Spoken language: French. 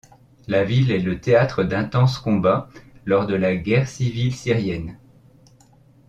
La ville est le théâtre d'intenses combats lors de la guerre civile syrienne.